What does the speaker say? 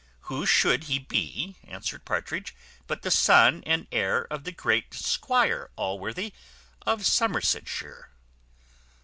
"Who should he be," answered Partridge, "but the son and heir of the great Squire Allworthy, of Somersetshire!"